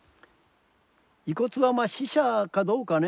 遺骨はまあ死者かどうかね